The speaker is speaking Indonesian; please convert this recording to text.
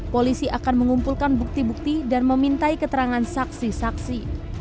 polisi akan mengumpulkan bukti bukti dan memintai keterangan saksi saksi